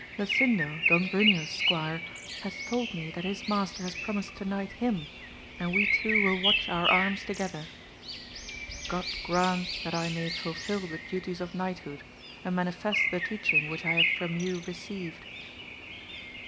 Lasindo, Don Bruneo's squire, has told me that his master has promised to knight him, and we two will watch our arms together. God grant that I may fulfil the duties of knighthood, and manifest the teachiug which I have from you received.